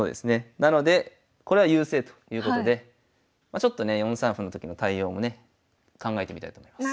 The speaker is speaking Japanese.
なのでこれは優勢ということでちょっとね４三歩のときの対応もね考えてみたいと思います。